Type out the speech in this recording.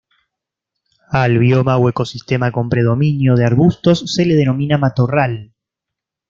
Al bioma o ecosistema con predominio de arbustos se le denomina matorral.